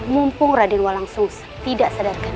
mumpung raden wolang sungsang tidak sadarkan